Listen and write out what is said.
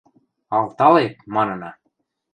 – Алталет! – манына.